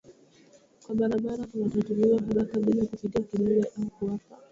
kwa barabara kunatatuliwa haraka bila kupiga kelele au kuapa